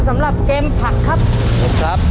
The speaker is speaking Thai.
สำหรับเกมผักครับ